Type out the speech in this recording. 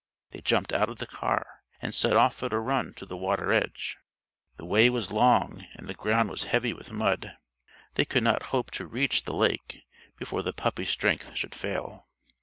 They jumped out of the car and set off at a run to the water edge. The way was long and the ground was heavy with mud. They could not hope to reach the lake before the puppy's strength should fail.